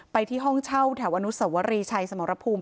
ที่ห้องเช่าแถวอนุสวรีชัยสมรภูมิ